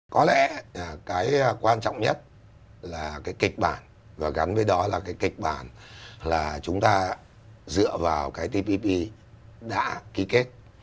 có lẽ cái quan trọng nhất là cái kịch bản và gắn với đó là cái kịch bản là chúng ta dựa vào cái tpp đã ký kết